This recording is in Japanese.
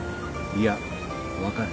いや分かる。